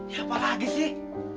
ya apa lagi sih